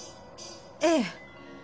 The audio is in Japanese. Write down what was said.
ええ。